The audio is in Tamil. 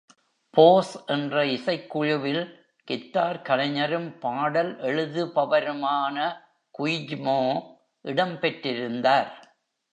Pause என்ற இசைக் குழுவில் கித்தார் கலைஞரும், பாடல் எழுதுபவருமான குயிஜ்மோ இடம் பெற்றிருந்தார்.